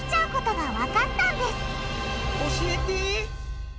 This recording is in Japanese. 教えて！